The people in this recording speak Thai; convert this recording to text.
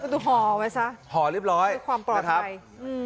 ดูห่อไว้ซะห่อเรียบร้อยความปลอดภัยนะครับอืม